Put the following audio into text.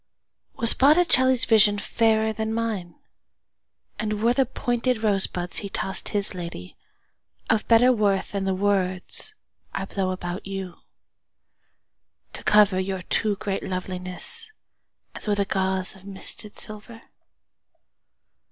Was Botticelli's visionFairer than mine; And were the pointed rosebudsHe tossed his ladyOf better worthThan the words I blow about youTo cover your too great lovelinessAs with a gauzeOf misted silver?